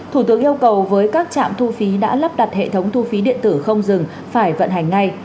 thủ tướng yêu cầu với các trạm thu phí đã lắp đặt hệ thống thu phí điện tử không dừng phải vận hành ngay